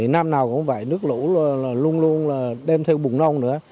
nam nào cũng vậy nước lũ luôn luôn đem theo bụng non nữa